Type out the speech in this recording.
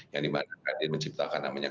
yang dimana kadin menciptakan namanya